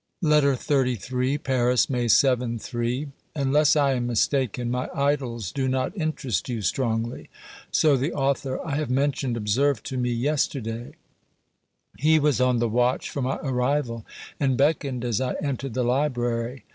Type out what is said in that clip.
OBERMANN 95 LETTER XXXIII Paris, May ^ (III). Unless I am mistaken, my idylls do not interest you strongly : so the author I have mentioned observed to me yesterday. He was on the watch for my arrival, and beckoned as I entered the library.